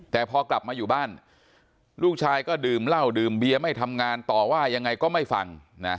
แต่พอกลับมาอยู่บ้านลูกชายก็ดื่มเหล้าดื่มเบียไม่ทำงานต่อว่ายังไงก็ไม่ฟัง